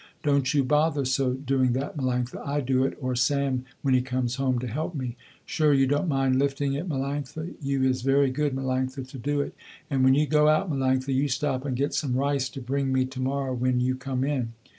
"Don't you bother so, doing that Melanctha, I do it or Sam when he comes home to help me. Sure you don't mind lifting it Melanctha? You is very good Melanctha to do it, and when you go out Melanctha, you stop and get some rice to bring me to morrow when you come in.